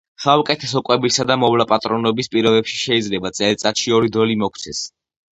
საუკეთესო კვებისა და მოვლა-პატრონობის პირობებში შეიძლება წელიწადში ორი დოლი მოგვცეს.